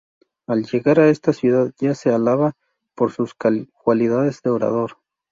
Al llegar a esta ciudad ya se alaba por sus cualidades de orador.